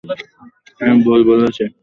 আমি ভুল বলেছি।